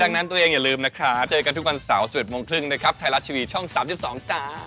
ดังนั้นตัวเองอย่าลืมนะคะเจอกันทุกวันเสาร์๑๑โมงครึ่งนะครับไทยรัฐทีวีช่อง๓๒จ้า